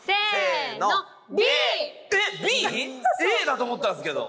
Ａだと思ったんすけど。